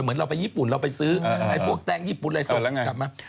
เราไปญี่ปุ่นเราไปซื้อไอ้พวกแตงญี่ปุ่นอะไรส่งกลับมา